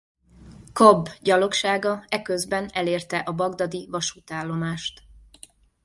Cobbe gyalogsága e közben elérte a bagdadi vasútállomást.